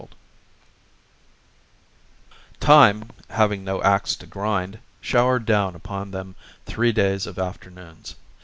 VI Time, having no axe to grind, showered down upon them three days of afternoons.